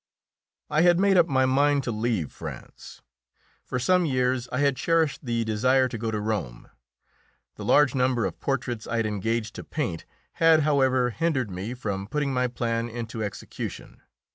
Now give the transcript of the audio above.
I had made up my mind to leave France. For some years I had cherished the desire to go to Rome. The large number of portraits I had engaged to paint had, however, hindered me from putting my plan into execution.